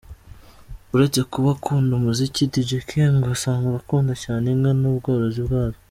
Uretse kuba akunda umuziki, Dj K ngo asanzwe akunda cyane inka n'ubworozi bwazo.